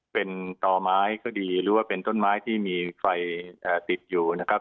เป็นต่อไม้ก็ดีหรือว่าเป็นต้นไม้ที่มีไฟติดอยู่นะครับ